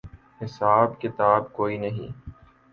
حساب کتاب کوئی نہیں۔